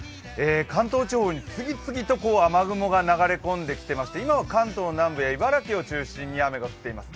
関東地方に次々と雨雲が流れ込んできていまして今は関東南部と、茨城を中心に雨が降っています。